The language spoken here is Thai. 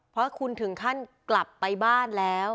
เพราะคุณถึงขั้นกลับไปบ้านแล้ว